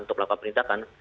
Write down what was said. untuk melakukan perintah kan